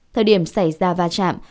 thời điểm xảy ra va chạm